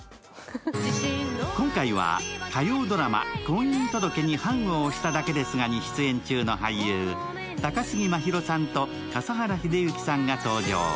今回は火曜ドラマ「婚姻届に判を捺しただけですが」に出演中の俳優、高杉真宙さんと笠原秀幸さんが登場。